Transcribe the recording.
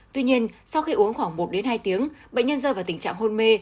tuy nhiên sau khi uống khoảng một đến hai tiếng bệnh nhân rơi vào tình trạng hôn mê